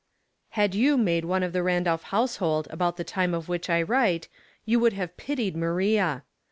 AD you made one of the Randolph house hold about the time of which I write you P?r^ would have pitied Maria.